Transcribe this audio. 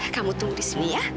kamu tunggu di sini ya